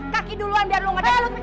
kaki duluan biar lu gak jatuh